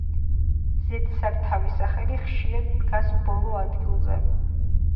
ზედსართავი სახელი ხშირად დგას ბოლო ადგილზე.